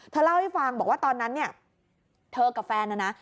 เล่าให้ฟังบอกว่าตอนนั้นเนี่ยเธอกับแฟนนะนะ